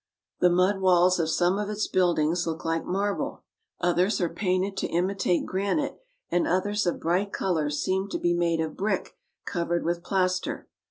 The mud walls of some of its buildings look like marble ; others are painted to imitate granite, and others of bright colors seem to be made of brick covered with plaster.